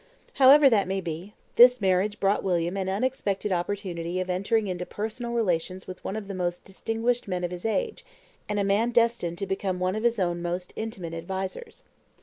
However that may be, this marriage brought William an unexpected opportunity of entering into personal relations with one of the most distinguished men of his age, and a man destined to become one of his own most intimate advisers.